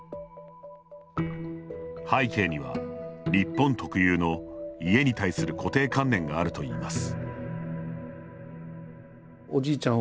背景には、日本特有の家に対する固定観念があるといいます。